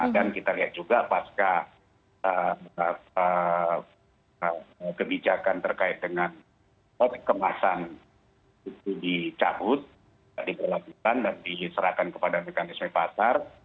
dan kita lihat juga pas kebijakan terkait dengan kemasan itu dicabut diperlakukan dan diserahkan kepada mekanisme pasar